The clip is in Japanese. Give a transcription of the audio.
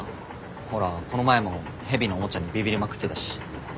ほらこの前も蛇のおもちゃにビビりまくってたし。